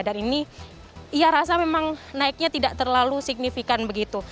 dan ini ya rasa memang naiknya tidak terlalu signifikan begitu